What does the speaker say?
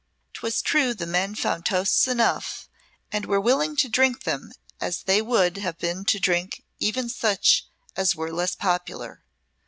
'Twas true the men found toasts enough and were willing to drink them as they would have been to drink even such as were less popular.